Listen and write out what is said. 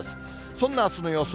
そんなあすの予想